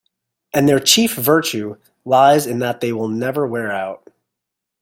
And their chief virtue lies in that they will never wear out.